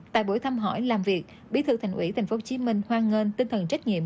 tại buổi thăm hỏi làm việc bí thư thành ủy tp hcm hoan nghênh tinh thần trách nhiệm